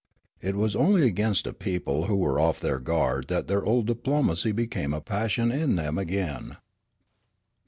It was only against a people who were off their guard that their old diplomac}^ became a passion in them again.